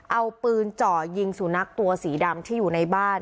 เอาปืนเจาะยิงสุนัขตัวสีดำที่อยู่ในบ้าน